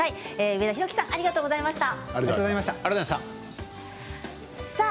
上田広樹さんありがとうございました。